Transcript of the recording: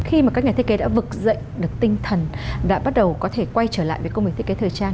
khi mà các nhà thiết kế đã vực dậy được tinh thần đã bắt đầu có thể quay trở lại với công việc thiết kế thời trang